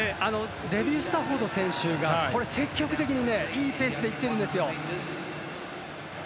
デビュー・スタフォード選手が積極的にいいペースでいってるんですよ。